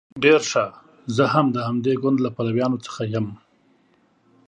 ډیر ښه زه هم د همدې ګوند له پلویانو څخه یم.